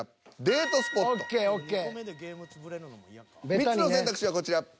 ３つの選択肢はこちら。